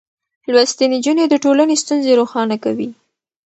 لوستې نجونې د ټولنې ستونزې روښانه کوي.